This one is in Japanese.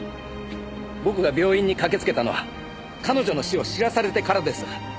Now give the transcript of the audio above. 僕が病院に駆けつけたのは彼女の死を知らされてからです。